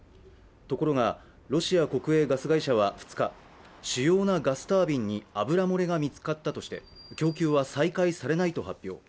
ところがロシア国営ガス会社は２日、主要なガスタービンに油漏れが見つかったとして供給は再開されないと発表。